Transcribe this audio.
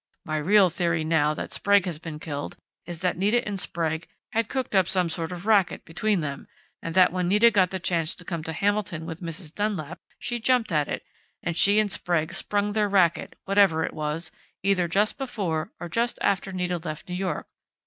My real theory now that Sprague has been killed is that Nita and Sprague had cooked up some sort of racket between them, and that when Nita got the chance to come to Hamilton with Mrs. Dunlap, she jumped at it, and she and Sprague sprung their racket, whatever it was, either just before or just after Nita left New York.